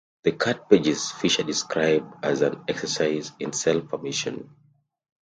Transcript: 'The Cut Pages' Fisher describes as an 'exercise in self-permission'.